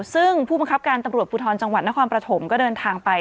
ซึ่งผู้บังคับการตำรวจภูทรจังหวัดนครปฐมก็เดินทางไป